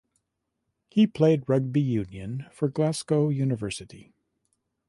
He played rugby union for Glasgow University.